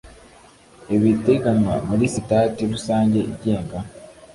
ibiteganywa muri sitati rusange igenga